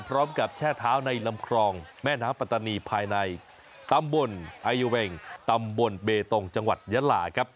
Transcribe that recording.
แช่เท้าในลำคลองแม่น้ำปัตตานีภายในตำบลไอเวงตำบลเบตงจังหวัดยะลาครับ